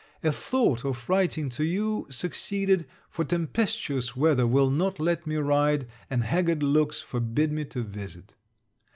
A thought of writing to you succeeded, for tempestuous weather will not let me ride, and haggard looks forbid me to visit.